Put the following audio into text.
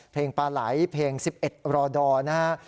เพลงปลาไหลเพลง๑๑รอดอร์นะฮะ